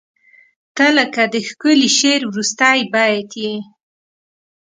• ته لکه د ښکلي شعر وروستی بیت یې.